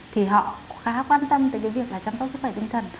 thì họ khá quan tâm tới cái việc là chăm sóc sức khỏe tinh thần